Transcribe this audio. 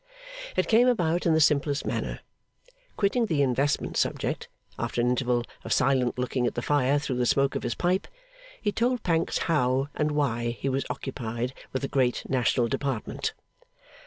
It came about in the simplest manner. Quitting the investment subject, after an interval of silent looking at the fire through the smoke of his pipe, he told Pancks how and why he was occupied with the great National Department.